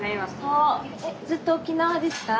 ずっと沖縄ですか？